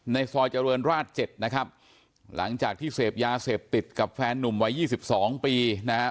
ซอยเจริญราช๗นะครับหลังจากที่เสพยาเสพติดกับแฟนนุ่มวัยยี่สิบสองปีนะฮะ